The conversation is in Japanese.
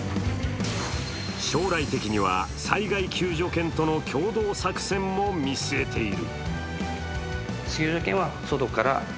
将来的には、災害救助犬との共同作戦も見据えている。